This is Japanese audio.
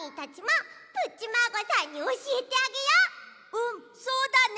うんそうだね！